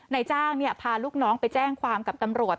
นายจ้างพาลูกน้องไปแจ้งความกับตำรวจ